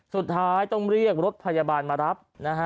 สุดท้ายต้องเรียกรถพยาบาลมารับนะฮะ